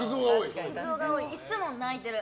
いつも泣いてる。